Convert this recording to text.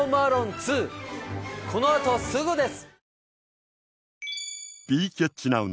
この後すぐです。